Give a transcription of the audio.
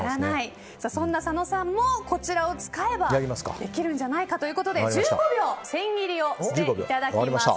そんな佐野さんもこちらを使えばできるんじゃないかということで１５秒千切りをしていただきます。